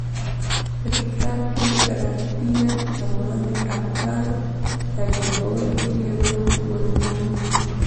په کتاب کې د راکفیلر پر وړاندې افکار راجلبولو کې رول ولوباوه.